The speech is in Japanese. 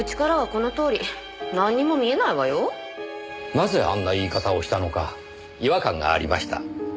なぜあんな言い方をしたのか違和感がありました。